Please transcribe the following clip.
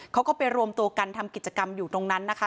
เขาก็ไปรวมตัวกันทำกิจกรรมอยู่ตรงนั้นนะคะ